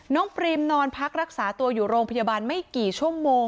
ปรีมนอนพักรักษาตัวอยู่โรงพยาบาลไม่กี่ชั่วโมง